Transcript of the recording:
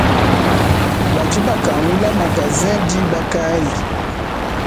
Badi bakangula magazen diba kayi ?